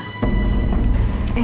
eh pernah sih